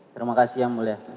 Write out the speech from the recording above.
terima kasih yang mulia